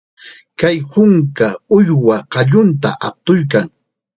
Kay yunka uywa qallunta aqtuykan.